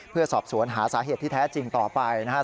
เพื่อสอบสวนหาสาเหตุที่แท้จริงต่อไปนะครับ